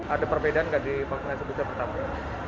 ada perbedaan nggak di vaksin booster pertama